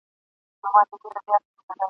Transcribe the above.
زه به په چیغو چیغو زړه درسره وژړوم `